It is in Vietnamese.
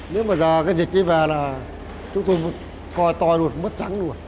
nếu mà giờ cái dịch đi về là chúng tôi coi to luôn mất trắng luôn